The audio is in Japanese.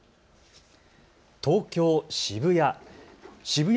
東京渋谷。